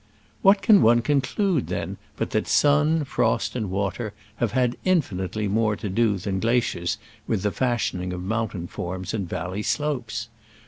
What can one conclude, then, but that sun, frost and water have had in finitely more to do than glaciers with the fashioning of mountain forms and valley slopes?